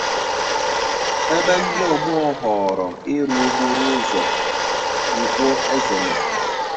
ebe ndị Ọmọr họọrọ ịrụ okporoụzọ Nkwọ-Ezenọ